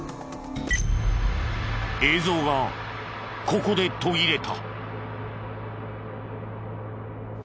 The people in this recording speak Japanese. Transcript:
映像がここで途切れた。